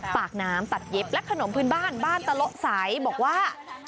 ปากน้ำตัดเย็บและขนมพื้นบ้านบ้านตะโละใสบอกว่า